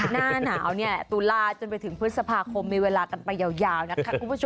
หน้าหนาวเนี่ยตุลาจนไปถึงพฤษภาคมมีเวลากันไปยาวนะคะคุณผู้ชม